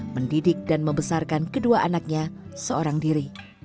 mendidik dan membesarkan kedua anaknya seorang diri